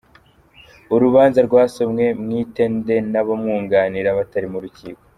Urubanza rwasomwe Mwitende n’abamwunganira batari mu rukiko.